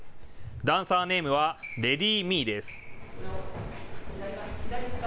ダンサーネームはＬａｄｙｍｅです。